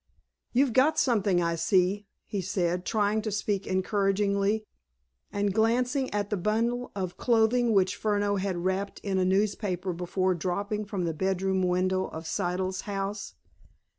"You've got something, I see," he said, trying to speak encouragingly, and glancing at the bundle of clothing which Furneaux had wrapped in a newspaper before dropping from the bedroom window of Siddle's house.